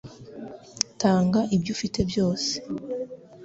Tanga ibyo ufite byose